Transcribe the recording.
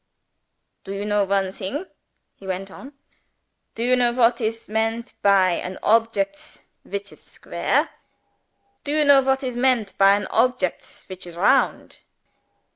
"Do you know one thing?" he went on. "Do you know what is meant by an objects which is square? Do you know what is meant by an objects which is round?"